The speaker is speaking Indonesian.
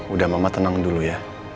udah mama tenang dulu ya